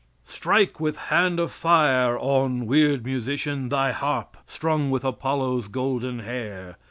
Strike with hand of fire, on, weird musician, thy harp, strung with Apollo's golden hair!